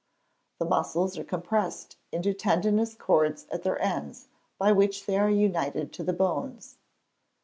The muscles are compressed into tendinous cords at their ends, by which they are united to the bones.